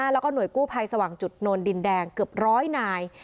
แล้วก็หน่วยกู้ภัยสว่างจุดโนนดินแดงเกือบร้อยนาย